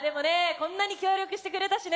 こんなに協力してくれたしね。